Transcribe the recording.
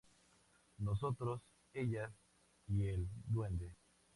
Nosotros, ellas y el duende.